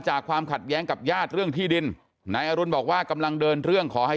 ความขัดแย้งกับญาติเรื่องที่ดินนายอรุณบอกว่ากำลังเดินเรื่องขอให้